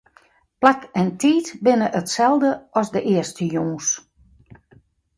Plak en tiid binne itselde as de earste jûns.